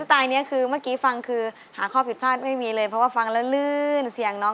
สไตล์นี้คือมากกี้ฟังคือหาคอผิดพลาดไม่มีเลยแบบว่าฟังละลื้นน